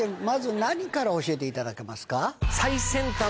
まず何から教えていただけますか？